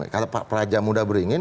kata pak praja muda beringin